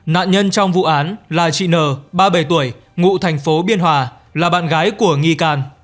nạn nhân trong vụ án là chị n ba mươi bảy tuổi ngụ thành phố biên hòa là bạn gái của nghi can